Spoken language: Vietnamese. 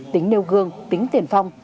tính nêu gương tính tiền phong